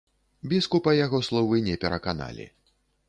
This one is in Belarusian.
Біскупа яго словы не пераканалі.